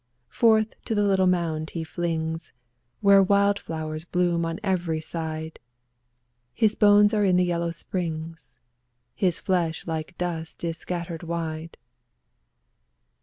Forth to the little mound he flings, Where wild flowers bloom on every side . His bones are in the Yellow Springs, His flesh like dust is scattered wide.